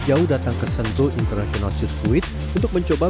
jadi bahkan dalam kondisi berdiri ini masih aman